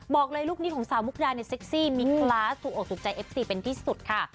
บอกเลยลูกนี้ของสาวมุกดาเนี่ยเซ็กซี่มีคลาสถูกออกถูกใจเอฟซีเป็นที่สุดค่ะ